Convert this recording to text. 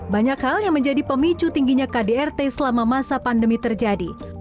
banyak hal yang menjadi pemicu tingginya kdrt selama masa pandemi terjadi